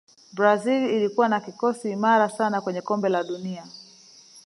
brazil ilikuwa na kikosi imara sana kwenye kombe la dunia